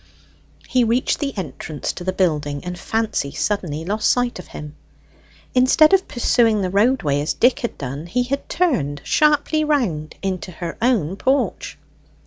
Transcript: He reached the entrance to the building, and Fancy suddenly lost sight of him. Instead of pursuing the roadway as Dick had done he had turned sharply round into her own porch.